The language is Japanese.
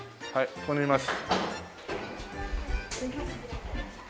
ここにいます。